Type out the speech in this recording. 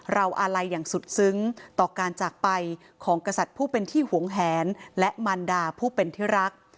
อาลัยอย่างสุดซึ้งต่อการจากไปของกษัตริย์ผู้เป็นที่หวงแหนและมันดาผู้เป็นที่รัก